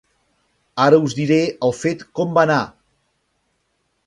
Ara us diré el fet com va anar.